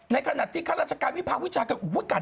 ในขณะที่ฐานราชการวิภาควิชาการ